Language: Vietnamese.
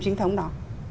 chính thống đó